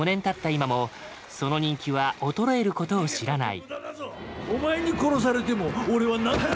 今もその人気は衰えることを知らない。